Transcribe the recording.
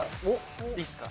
いいっすか？